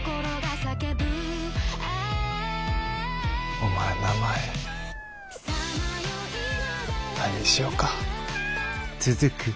お前名前何にしよか。